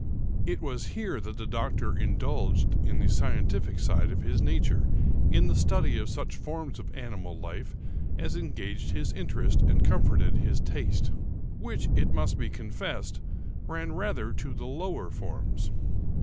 It was here that the doctor indulged the scientific side of his nature in the study of such forms of animal life as engaged his interest and comforted his taste — which, it must be confessed, ran rather to the lower forms.